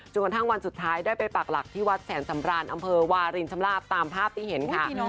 กระทั่งวันสุดท้ายได้ไปปากหลักที่วัดแสนสำราญอำเภอวารินชำลาบตามภาพที่เห็นค่ะ